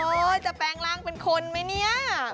จะแปลงร่างเป็นคนไหมเนี่ย